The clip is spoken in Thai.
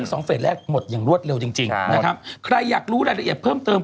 สองเฟสแรกหมดอย่างรวดเร็วจริงจริงค่ะนะครับใครอยากรู้รายละเอียดเพิ่มเติม